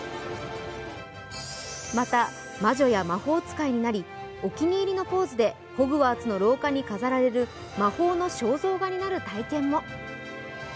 また、魔女や魔法使いになりお気に入りのポーズでホグワーツの廊下に飾られる魔法の肖像画になる体験も。